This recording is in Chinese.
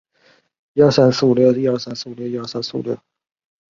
利尼勒里博。